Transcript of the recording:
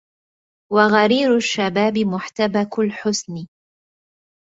وغرير الشباب محتبك الحسن